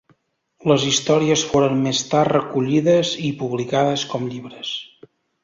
Les històries foren més tard recollides i publicades com llibres.